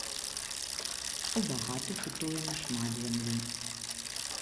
У багатых утоена шмат зямлі.